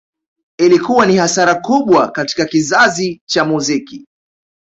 Ilikuwa ni hasara kubwa katika kizazi cha muziki